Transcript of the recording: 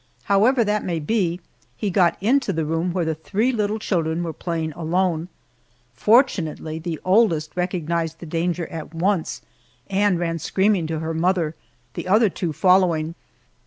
However that may be, he got into the room where the three little children were playing alone. Fortunately, the oldest recognized the danger at once, and ran screaming to her mother, the other two following.